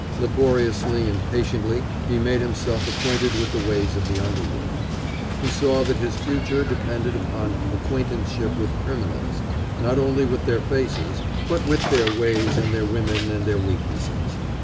Laboriously and patiently he made himself acquainted with the ways of the underworld. He saw that all his future depended upon acquaintanceship with criminals, not only with their faces, but with their ways and their women and their weaknesses.